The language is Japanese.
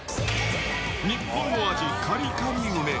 日本の味、カリカリ梅。